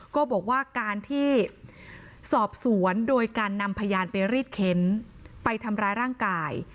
ก็บอกว่าการที่สอบสวนโดยการนำพยานไปรีดเค้นไปทำร้ายร่างกาย